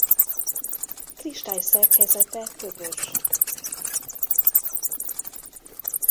Kristályszerkezete köbös.